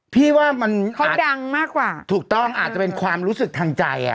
พี่ว่ามันอาจถูกต้องอาจจะเป็นความรู้สึกทางใจ